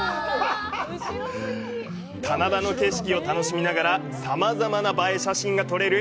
棚田の景色を楽しみながらさまざまな映え写真が撮れる